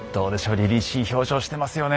りりしい表情してますよね。